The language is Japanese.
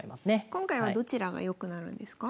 今回はどちらが良くなるんですか？